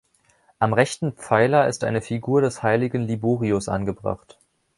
Am rechten Pfeiler ist eine Figur des Heiligen Liborius angebracht.